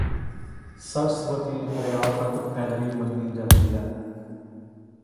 ਸਰਸਵਤੀ ਦਰਿਆ ਤੱਕ ਫੈਲੀ ਮੰਨੀ ਜਾਂਦੀ ਹੈ